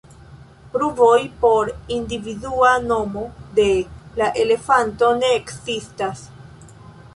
Pruvoj por individua nomo de la elefanto ne ekzistas.